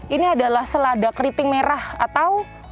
ini adalah selada keriting merah atau